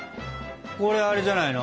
これあれじゃないの？